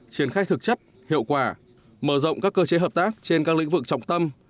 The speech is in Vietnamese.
triển khai thực chất hiệu quả mở rộng các cơ chế hợp tác trên các lĩnh vực trọng tâm